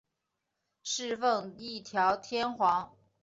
侍奉一条天皇。